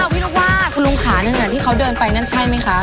พี่ลูกว่าคุณลุงค่ะในขณะที่เขาเดินไปนั่นใช่ไหมคะ